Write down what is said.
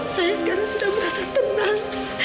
saya sekarang sudah merasa tenang